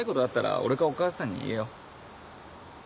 俺かお母さんに言えよ。